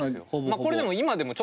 まこれでも今でも。